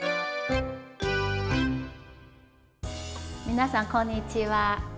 皆さん、こんにちは。